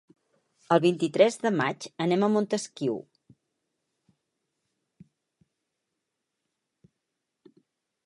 El vint-i-tres de maig anem a Montesquiu.